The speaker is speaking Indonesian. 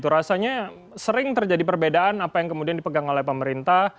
rasanya sering terjadi perbedaan apa yang kemudian dipegang oleh pemerintah